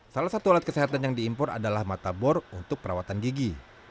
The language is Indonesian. salah satu alat kesehatan yang diimpor adalah matabor untuk perawatan gigi